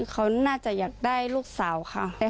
เขาน่าจะอยากได้ลูกสาวค่ะ